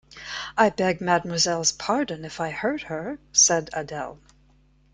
"I beg mademoiselle's pardon if I hurt her," said Adele.